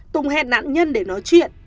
tùng hẹn nạn nhân để nói chuyện